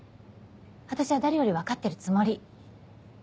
私は誰より分かってるつもり。